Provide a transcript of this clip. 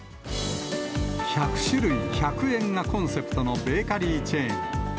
１００種類１００円がコンセプトのベーカリーチェーン。